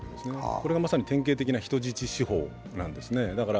これがまさに典型的な人質司法なんですね。